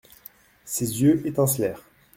Ses yeux étincelèrent.